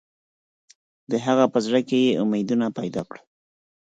د هغه په زړه کې یې امیدونه پیدا کړل.